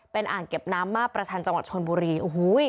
เป็นอ่างเก็บน้ำมาประชันจังหวัดชนบุรีโอ้โห